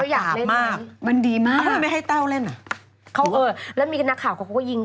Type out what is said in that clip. อยากได้ทั้งสอง